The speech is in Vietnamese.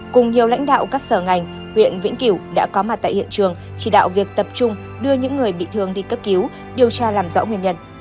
cùng nhiều lãnh đạo các sở ngành huyện vĩnh kiểu đã có mặt tại hiện trường chỉ đạo việc tập trung đưa những người bị thương đi cấp cứu điều tra làm rõ nguyên nhân